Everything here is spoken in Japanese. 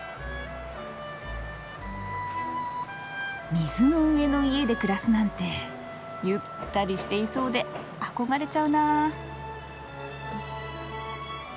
水の上の家で暮らすなんてゆったりしていそうで憧れちゃうな。